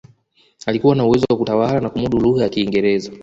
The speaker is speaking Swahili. alikuwa na uwezo wa kutawala na kumudu lugha ya kiingereza